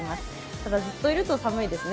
ただ、ずっといると寒いですね。